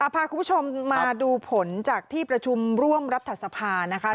พาคุณผู้ชมมาดูผลจากที่ประชุมร่วมรัฐสภานะคะ